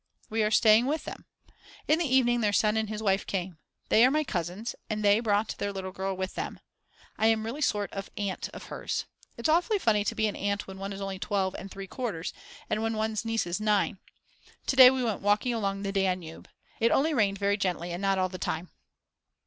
We are staying with them. In the evening their son and his wife came. They are my cousins, and they brought their little girl with them; I am really a sort of aunt of hers. It's awfully funny to be an aunt when one is only 12 and 3/4 and when one's niece is 9. To day we went walking along the Danube. It only rained very gently and not all the time.